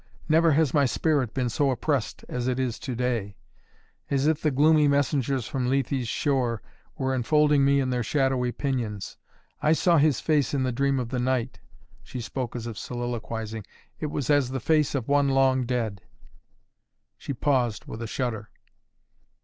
Never has my spirit been so oppressed as it is to day, as if the gloomy messengers from Lethé's shore were enfolding me in their shadowy pinions. I saw his face in the dream of the night" she spoke as if soliloquizing "it was as the face of one long dead " She paused with a shudder.